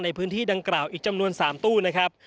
ในพื้นที่ดังกล่าวอีกจำนวน๓ตู้นะครับ